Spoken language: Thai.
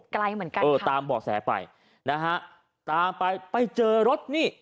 ไกลเหมือนกันเออตามบ่อแสไปนะฮะตามไปไปเจอรถนี่